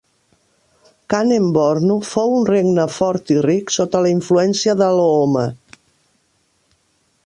Kanem-Bornu fou un regne fort i ric sota la influència d'Alooma.